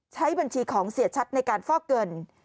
ใช้บัญชีของเสียชัดในการฟอกเงิน